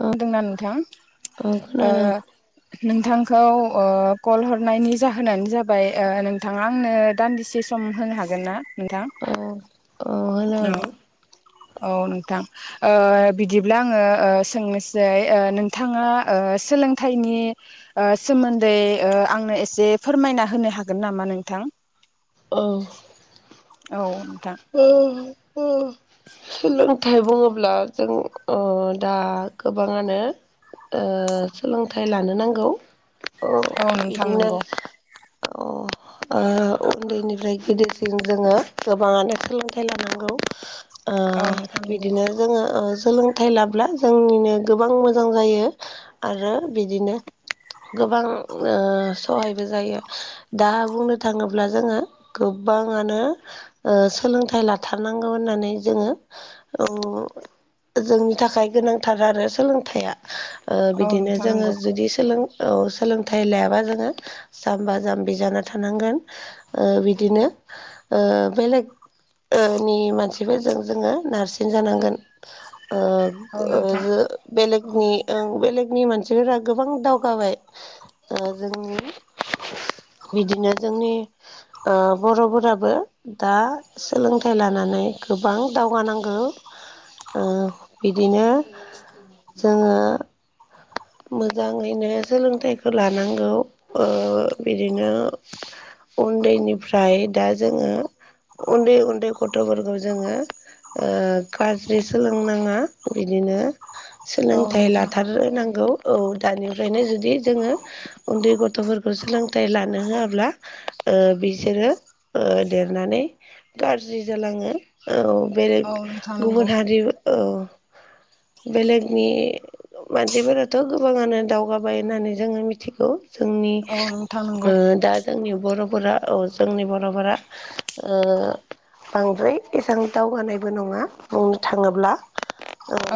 औ होनदोंना नोंथां औ ओ खोनादों नोंथांखौ ओ कल हरनायनि जाहोनानो जाबाय नोंथाङा आंनो दान्दिसे सम होनो हागोन ना नोंथां? अ अ होनो औ हागोन। औ नोंथां। ओ बिदिब्ला आङो ओ सोंनोसै ओ नोंथाङा सोलोंथाइनि ओ सोमोन्दै ओ आंनो एसे फोरमायना होनो हागोन नामा नोंथां? औ। औ नोंथां। अ अ सोलोंथाइ बुङोब्ला जों ओ दा गोबाङानो ओ सोलोंथाइ लानो नांगौ औ नोंथां बिदिनो नंगौ अ उन्दैनिफ्राय गिदिरसिन जोङो गोबाङानो सोलोंथाइ लानांगौ ओ औ नोंथां नंगौ बिदिनो जोङो सोलों थाय लाब्ला जोंनिनो गोबां मोजां जायो आरो बिदिनो गोबां ओ सहायबो जायो। दा बुंनो थाङोब्ला जोङो गोबाङानो ओ सोलोंथाइ लाथारनांगौ होननानै जोङो औ जोंनि थाखाय गोनांथार आरो सोलोंथाइया ओ औ बिदिनो नोंथां जोङो नंगौ जुदि सोलों औ सोलोंथाइ लायाबा जोङो जाम्बा जाम्बि जाना थानांगोन। ओ बिदिनो ओ बेलेग ओ नि मानसिफोरजों जोङो नारसिन जानांगोन ओ औ ओ नोंथां ओ बेलेगनि ओं बेलेगनि मानसिफोरा गोबां दावगाबाय ओ जोंनि बिदिनो जोंनि बर'फोराबो दा सोलोंथाइ लानानै गोबां दावगानांगौ ओ बिदिनो जोङो मोजाङैनो सोलोंथाइखौ लानांगौ ओ बिदिनो उन्दैनिफ्राय दा जोङो उन्दै उन्दै गथ'फोरखौ जोङो ओ गाज्रि सोलोंनाङा बिदिनो औ सोलोंथाइ नोंथां लाथार नांगौ औ दानिफ्रायनो जुदि जोङो उन्दै गथ'फोरखौ सोलोंथाइ लानो होआब्ला ओ बिसोरो ओ देरनानै गाज्रि जालाङो औ औ बेलग नोंथां नंगौ गुबुन हारि औ बेलेगनि मानसिफोराथ' गोबाङानो दावगाबाय होननानै जोङो मिथिगौ। जोंनि औ नोंथां नंगौ ओ दा जोंनि बर'फोरा औ जोंनि बर'फोरा ओ बांद्राय एसां दावगानायबो नङा बुंनो थाङोब्ला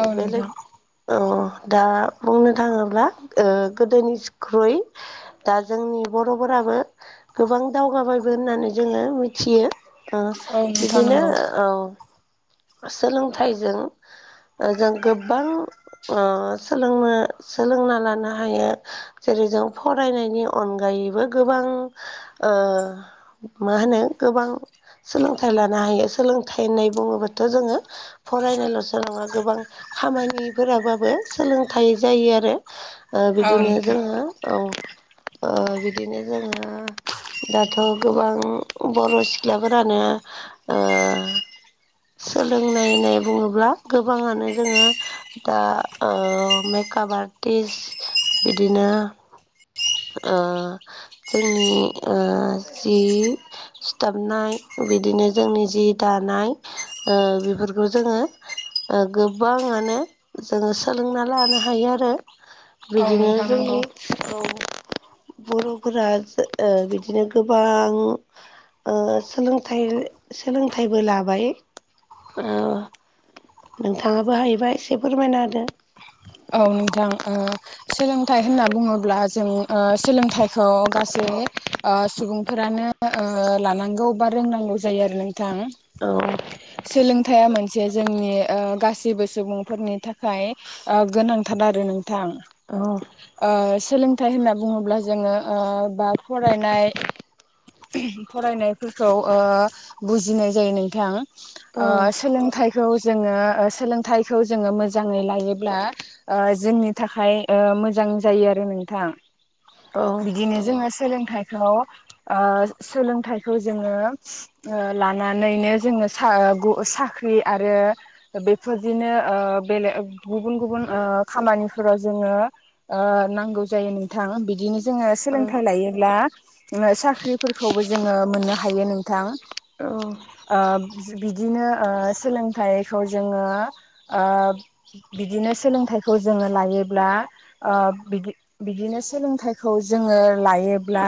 औ बेलेग नोंथां औ दा बुंनो थाङोब्ला ओ गोदोनिख्रुइ दा जोंनि बर'फोराबो गोबां दावगाबायबो होननानै जोङो मिथियो ओ औ नोंथां बिदिनो नंगौ औ सोलोंथाइजों ओ जों गोबां सोलोंनो सोलोंना लानो हायो जेरै जों फरायनायनि अनगायैबो गोबां ओ मा होनो गोबां सोलोंथाइ लानो हायो सोलोंथाइ होननाय बुङोबाथ' जोङो फरायनायल'सो नङा गोबां खामानिफोराबाबो सोलोंथाइ जायो आरो ओ औ बिदिनो नोंथां जोङो औ [unintelligible] ओ बिदिनो जोंङो दाथ' गोबां बर' सि ख्लाफोरानो ओ सोलोंनाय होननाय बुङोब्ला गोबाङानो जोङो दा ओ मेकआप आर्टिस्ट बिदिनो ओ जोंनि ओ जि सिथाबनाय बिदिनो जोंनि जि दानाय ओ बेफोरखौ जोङो ओ गोबाङानो जोङो सोलोंना लानो हायो आरो औ बिदिनो नोंथां नंगौ जोंनि औ बर'फोरा ओ बिदिनो गोबां ओ सोलोंथाइ सोलोंथाइबो लाबाय ओ नोंथाङाबो हायोबाय एसे फोरमायना होदो औ नोंथां ओ सोलोंथाइ होनना बुङोब्ला जों ओ सोलोंथाइखौ गासै ओ सुबुंफोरानो ओ लानांगौ बा रोंनांगौ जायो आरो नोंथां। औ सोलोंथाइया मोनसे जोंनि ओ गासैबो सुबुंफोरनि थाखाय ओ गोनांथार आरो नोंथां औ ओ सोलोंथाइ होनना बुङोब्ला जोङो ओ बा फरायनाय फरायनायफोरखौ ओ बुजिनाय जायो औ नोंथां सोलोंथाइखौ जोङो सोलोंथाइखौ जोङो मोजाङै लायो। अब्ला जोंनि थाखाय मोजां जायो आरो नोंथाङा औ बिदिनो जोङो सोलोंथाइखौ सोलोंथाइखौ जोङो लानानैनो जोङो साख्रि आरो बेफोरदिनो ओ बेलेग ओ गुबुन गुबुन ओ खामानिफोराव जोङो ओ नांगौ जायो नोंथां बिदिनो जोङो औ सोलोंथाइ लायोब्ला साख्रिफोरखौबो जोङो मोननो हायो नोंथां औ औ ओ बिदिनो ओ सोलोंथाइखौ जोङो ओ बिदिनो सोलोंथाइखौ जोङो लायोब्ला बि बिदिनो सोलोंथाइखौ जोङो लायोब्ला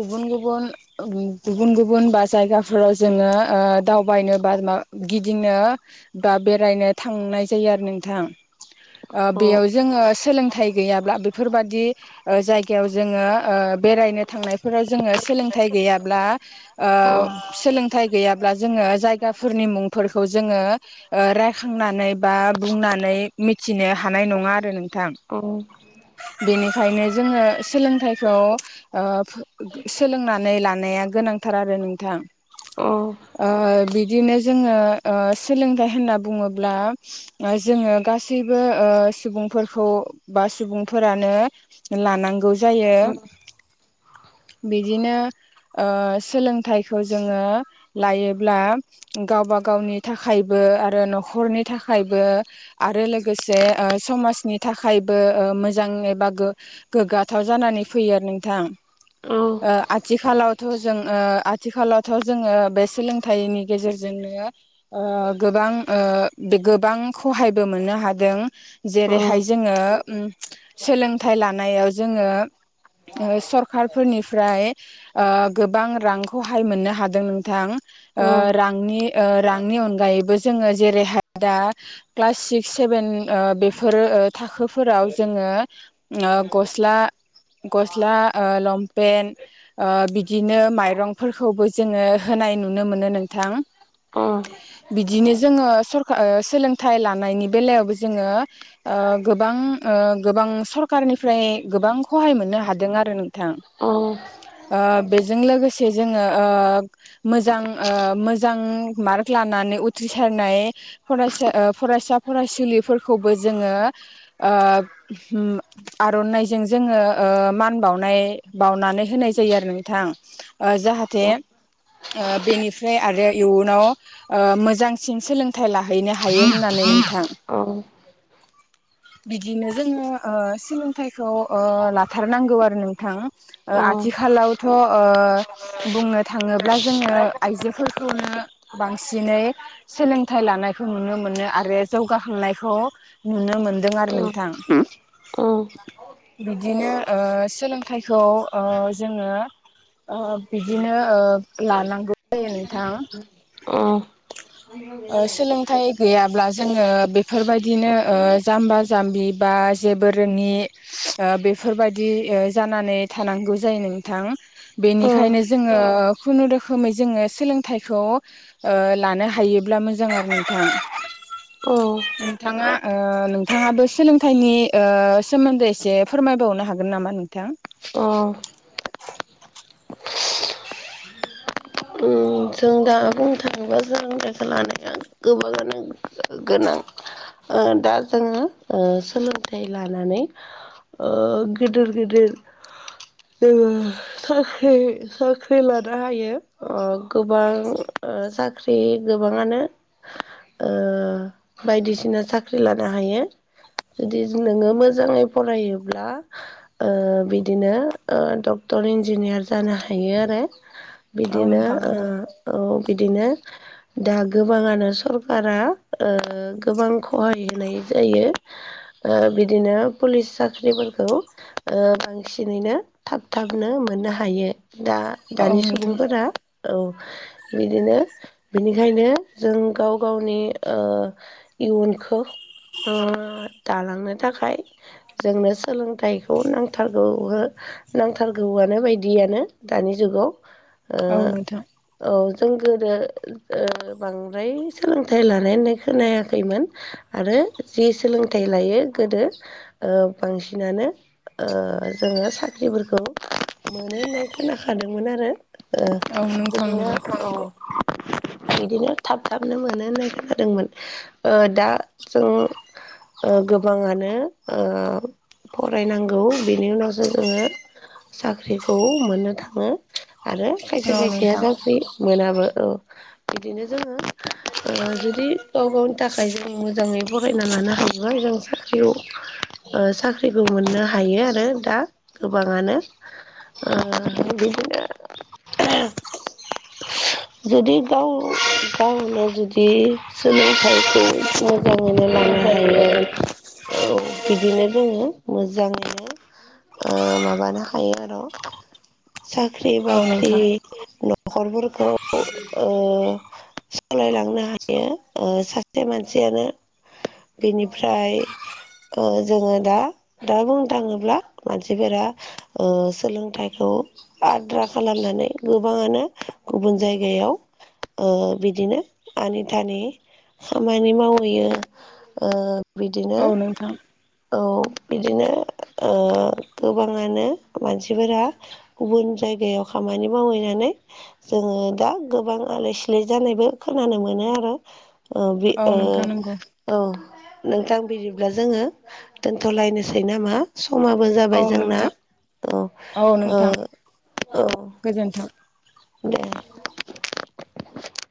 गुबुन गुबुन गुबुन गुबुन बा जायगाफोराव जोङो दावबायनो बा मा गिदिंनो बा बेरायनो थांनाय जायो आरो नोंथां बेयाव जोङो सोलोंथाइ गैयाब्ला बेफोरबादि जायगायाव जोङो बेरायनो थांनायफोराव जोङो सोलोंथाइ गैयाब्ला सोलोंथाइ गैयाब्ला जोङो जायगाफोरनि मुंफोरखौ जोङो रायखांनानै बा बुंनानै मिथिनो हानाय नङा आरो नोंथां औ बेनिखायनो जोङो सोलोंथाइखौ सोलोंनानै लानाया गोनांथार आरो नोंथां। औ बिदिनो जोङो सोलोंथाइ होनना बुङोब्ला जोङो गासैबो सुबुंफोरखौ बा सुबुंफोरानो लानांगौ जायो बिदिनो सोलोंथाइखौ जोङो लायोब्ला गावबा गावनि थाखायबो आरो न'खरनि थाखायबो आरो लोगोसे समाजनि थाखायबो मोजां एबा गोग्गाथाव जानानै फैयो आरो नोंथां। औ आथिखालावथ' जों आथिखालावथ' जोङो बे सोलोंथाइनि गेजेरजोंनो ओ गोबां‌ ओ बे गोबां खहायबो मोननो हादों जेरैहाय जोङो सोलोंथाइ लानायाव जोङो सरखारफोरनिफ्राय गोबां रांखौहाय मोननो हादों नोंथां। औ रांनि रांनि अनगायैबो जोङो जेरैहाय दा क्लास सिक्स सेभेन बेफोरो थाखोफोराव जोङो गस्ला गस्ला लंपेनट बिदिनो माइरंफोरखौबो जोङो होनाय नुनो मोनो नोंथां। बिदिनो जोङो सरक सोलोंथाइ लानायनि बेलायावबो जोङो गोबां गोबां सरखारारनिफ्राय गोबां सहाय मोननो हादों आरो नोंथां। औ ओ‌ बेजों लोगोसे जोङो ओ मोजां मोजां मार्क लानानै उथ्रिसारनाय फरायसा फरायसा फरायसुलिफोरखौबो जोङो आर'नानायइजों जोङो मान बावनाय बावनानै होनाय जायो आरो नोंथां। जाहा जाहाथे बेनिफ्राय आरो इयुनाव मोजांसिन सोलोंथाइ ला हैनो हायो होननानै नोंथां। बिदिनो जोङो सोलोंथाइखौ लाथारनांगौ आरो नोंथां। औ आथिखालावथ' बुंनो थाङोब्ला जोङो आइजोफोरखौनो बांसिनै सोलोंथाइ लानाय खौ नुनो मोनो आरो जौगाखांनायखौ नुनो मोनदों आरो नोंथां बिदिनो ओ सोलोंथाइखौ ओ जोङो ओ बिदिनो ओ लानांगौ जायो नोंथां अ सोलोंथाइ गैयाब्ला जोङो बेफोरबायदिनो जाम्बा जाम्बि बा जेबो रोङि बेफोरबायदि जानानै थानांगौ जायो नोंथां। बेनिखायनो जोङो खुनुरुखोमै जोङो सोलोंथाइखौ लानो हायोब्ला मोजां आरो नोंथां। औ नोंथाङा ओ नोंथाङाबो सोलोंथाइनि ओ सोमोन्दै एसे फोरमायबावनो हागोन नामा नोंथां अ उम जों दा बुंनो थाङोब्ला सोलोंनायखौ लानाया गोबाङानो गोनां ओ दा जोङो ओ सोलोंथाइ लानानै ओ गिदिर गिदिर जोङो साख्रि-साख्रि लानो हायो ओ गोबां ओ साख्रि गोबाङानो ओ बायदिसिना साख्रि लानो हायो जुदि नोङो मोजाङै फरायोब्ला ओ बिदिनो ओ डक्टर इन्जिनियार जानो हायो आरो औ बिदिनो नोंथां ओ नंगौ औ बिदिनो दा गोबाङानो सरखारा ओ गोबां खहाय होनाय जायो ओ बिदिनो पुलिस साख्रिफोरखौ ओ बांसिनैनो थाब थाबनो मोननो हायो दा औ दानिस नोंथां [unintelligible] औ बिदिनो बिनिखायनो जों गाव गावनि ओ इयुनखौ [unintelligible] दालांनो थाखाय जोंनो सोलोंथाइखौ नांथारगौ हो नांथारगौआनो बायदियानो दानि जुगाव ओ औ नोंथां औ जों गोदो ओ बांद्राय सोलोंथाइ लानाय होननाय खोनायाखैमोन आरो जि सोलों थाइ लायो गोदो ओ बांसिनानो ओ जोङो साख्रिफोरखौ मोनो होननाय खोनाखादोंमोन आरो ओ औ नोंथां बिदिनो नंगौ [unintelligible] बिदिनो थाब थाबनो मोनो होननाय खोनादोंमोन ओ दा जों ओ गोबाङानो ओ फरायनांगौ बेनि उनावसो जोङो साख्रिखौ मोननो थाङो आरो खायसे औ खायसेया नोंथां साख्रि मोनाबो औ बिदिनो जोङो ओ जुदि गाव गावनि थाखाय जों मोजाङै फरायना लानो हाय [unintelligible] जों साख्रियाव ओ साख्रिखौ मोननो हायो आरो दा गोबाङानो ओ [unintelligible] [unintelligible] जुदि गाव गावनो जुदि सोलोंथाइखौ मोजाङैनो लानो हायो औ बिदिनो जोङो मोजाङैनो ओ माबानो हायो आर' साख्रि बा औ नोंथां न'खरफोरखौ सालायलांनो हायो सासे मानसियानोज बेनिफ्राय जोङो दा दा बुंनो थाङोब्ला मानसिफोरा सोलोंथाइखौ आद्रा खालामनानै गोबाङानो गुबुन जायगायाव ओ बिदिनो आनिथानि खामानि मावहैयो ओ बिदिनो औ नोंथां औ बिदिनो ओ गोबाङानो मानसिफोरा गुबुन जायगायाव खामानि मावहैनानै जोङो दा गोबां आलाय सिलाय जानायबो खोनानो मोनो आरो ओ बि औ ओ नोंथां नंगौ औ नोंथां बिदिब्ला जोङो दोनथ'लायनोसै नामा समाबो औ जाबाय जोंना नोंथां औ औ औ गोजोन्थों दे